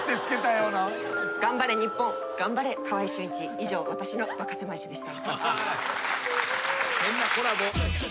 以上私のバカせまい史でした。